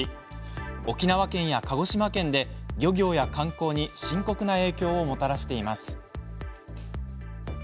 沖縄県や鹿児島県で漁業や観光に深刻な影響をもたらしています。